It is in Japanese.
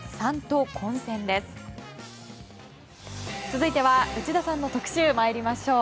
続いては内田さんの特集に参りましょう。